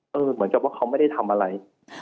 เหมือนกับว่าเขาไม่ได้ทำอะไร